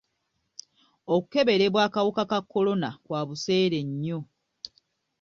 Okukebererwa kw'akawuka ka kolona kwa buseere nnyo.